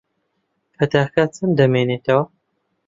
پەتاکە چەند دەمێنێتەوە؟